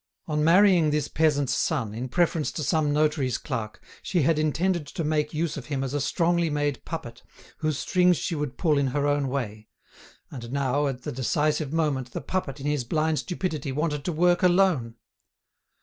On marrying this peasant's son, in preference to some notary's clerk, she had intended to make use of him as a strongly made puppet, whose strings she would pull in her own way; and now, at the decisive moment, the puppet, in his blind stupidity, wanted to work alone!